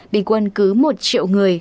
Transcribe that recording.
bình quân cứ một triệu người